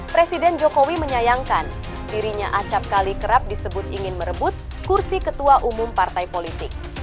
presiden jokowi menyayangkan dirinya acapkali kerap disebut ingin merebut kursi ketua umum partai politik